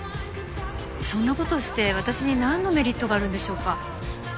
そんなことして私に何のメリットがあるんでしょうか？